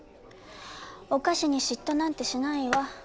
お菓子に嫉妬なんてしないわ。